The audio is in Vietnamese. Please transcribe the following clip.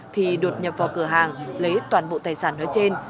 thì đột nhập vào cửa hàng lấy toàn bộ tài sản nói trên